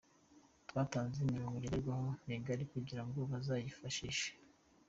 Twatanze imirongo ngenderwaho migari kugira ngo bazayifashishe.